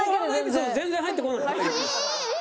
全然入ってこない。